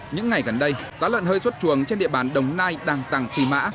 những ngày gần đây giá lợn hơi xuất chuồng trên địa bàn đồng nai đang tăng phi mã